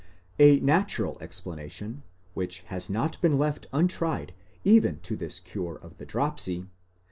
A natural explan ation, which has not been left untried even with this cure of the dropsy